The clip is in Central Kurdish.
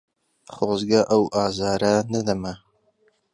خۆزگە ئەو ئازارە نەدەما.